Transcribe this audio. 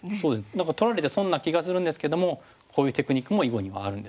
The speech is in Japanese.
何か取られて損な気がするんですけどもこういうテクニックも囲碁にはあるんですね。